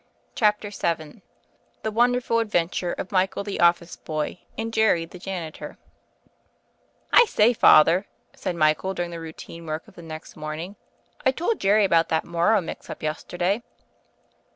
CHAPTER VII THE WONDERFUL ADVENTURE OF MICHAEL THE OFFICE BOY AND JERRY THE JANITOR "T SAY, Father," said Michael during the ■• routine work of the next morning. "1 told Jerry about that Morrow mix up yesterday."